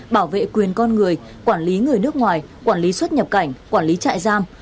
bảo vệ quyền con người quản lý người nước ngoài quản lý xuất nhập cảnh quản lý trại giam